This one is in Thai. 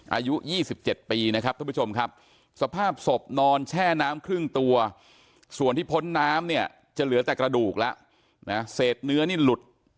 อายุ๒๗ปีนะครับท่านผู้ชมครับสภาพศพนอนแช่น้ำครึ่งตัวส่วนที่พ้นน้ำเนี่ยจะเหลือแต่กระดูกแล้วนะเศษเนื้อนี่หลุด